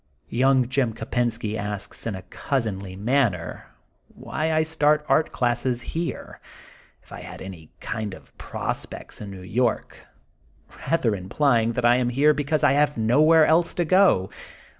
Young Jim Kopensky asks in a cousinly manner why I start art classes here, if I had any kind of prospects in New York, rather implying that I am here because I have nowhere else to go.